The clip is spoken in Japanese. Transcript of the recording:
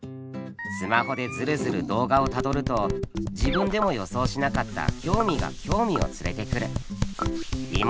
スマホでズルズル動画をたどると自分でも予想しなかった興味が興味を連れてくる。